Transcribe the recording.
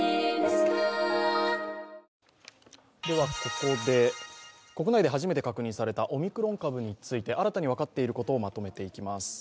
ここで国内で初めて確認されたオミクロン株について新たに分かっていることをまとめていきます。